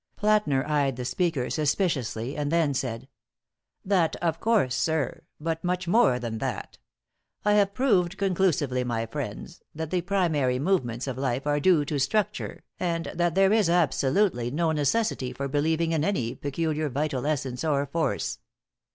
Plätner eyed the speaker suspiciously, and then said: "That, of course, sir; but much more than that. I have proved conclusively, my friends, that the primary movements of life are due to structure, and that there is absolutely no necessity for believing in any peculiar vital essence or force.